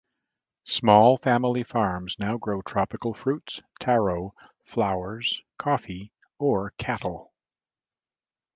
Small family farms now grow tropical fruits, taro, flowers, coffee, or cattle.